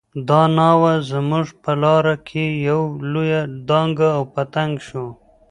دا ناوه زموږ په لاره کې يوه لويه ډانګه او پټک شو.